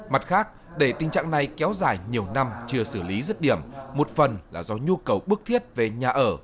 mặt khác để tình trạng này kéo dài nhiều năm chưa xử lý rứt điểm một phần là do nhu cầu bức thiết về nhà ở